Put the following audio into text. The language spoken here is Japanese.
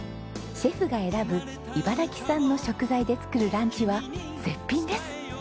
シェフが選ぶ茨城産の食材で作るランチは絶品です！